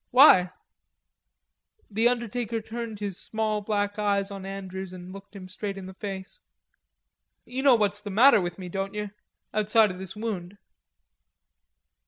"Why?" The undertaker turned his small black eyes on Andrews and looked him straight in the face. "You know what's the matter with me, don't yer, outside o' this wound?"